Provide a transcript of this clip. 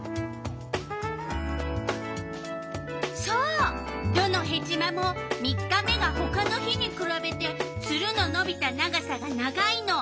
そうどのヘチマも３日目がほかの日にくらべてツルののびた長さが長いの。